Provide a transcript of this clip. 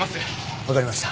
わかりました。